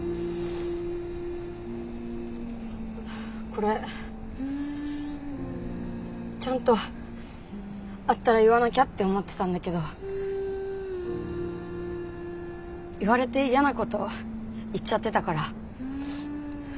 これちゃんと会ったら言わなきゃって思ってたんだけど言われてやなこと言っちゃってたから。